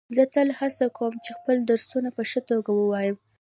زه تل هڅه کوم چي خپل درسونه په ښه توګه ووایم.